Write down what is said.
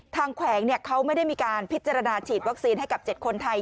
แขวงเขาไม่ได้มีการพิจารณาฉีดวัคซีนให้กับ๗คนไทย